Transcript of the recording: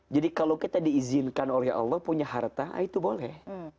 jadi kalau kita diizinkan oleh allah punya harta itu boleh